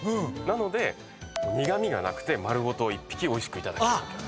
なので苦味がなくて丸ごと１匹おいしくいただけるわけです。